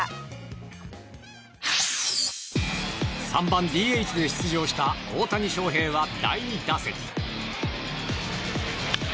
３番ＤＨで出場した大谷翔平は第２打席。